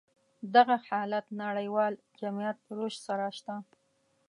دغه حالت نړيوال جميعت رشد سره شته.